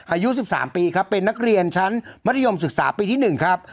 อายุ๑๓ปีครับเป็นนักเรียนชั้นมัธยมศึกษาปีที่๑ครับ